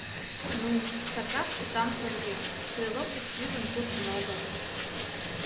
Ну, Сакар чытамсыр еҥ, стрелок деч лӱдын куржын огыл».